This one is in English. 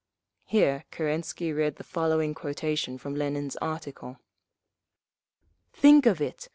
(Here Kerensky read the following quotation from Lenin's article.): Think of it!